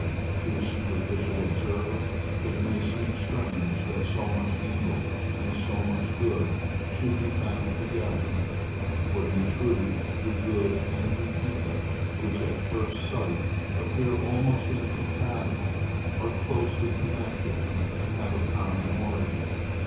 To a superficial observer it may seem strange that so much evil and so much good should be found together. But in truth the good and the evil, which at first sight appear almost incompatible, are closely connected, and have a common origin.